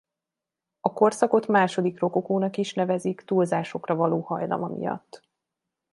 A korszakot második rokokónak is nevezik túlzásokra való hajlama miatt.